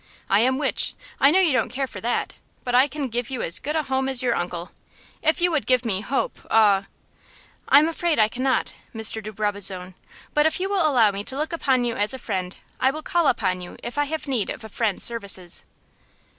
I am wich I know you don't care for that but I can give you as good a home as your uncle. If you would give me hope aw " "I am afraid I cannot, Mr. de Brabazon, but if you will allow me to look upon you as a friend, I will call upon you if I have need of a friend's services."